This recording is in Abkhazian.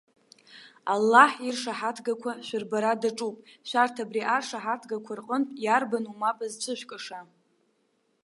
Аллаҳ иршаҳаҭгақәа шәырбара даҿуп. Шәарҭ абри аршаҳаҭгақәа рҟынтә иарбану мап зцәышәкыша?